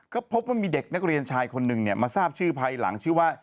ก็พบว่ามีเด็กนักเรียนชายคนหนึ่งมาทราบชื่อภายหลังชื่อว่า